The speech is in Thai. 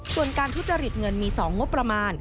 ส่วนการทุจริตเงินมี๒งบประมาณ